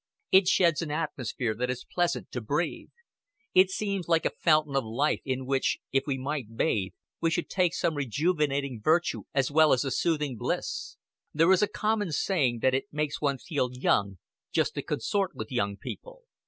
It sheds an atmosphere that is pleasant to breathe. It seems like a fountain of life in which, if we might bathe, we should take some rejuvenating virtue as well as a soothing bliss. There is a common saying that it makes one feel young just to consort with young people.